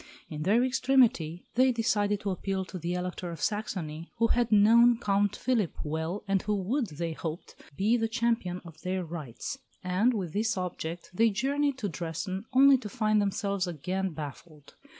In their extremity, they decided to appeal to the Elector of Saxony, who had known Count Philip well and who would, they hoped, be the champion of their rights; and, with this object, they journeyed to Dresden, only to find themselves again baffled.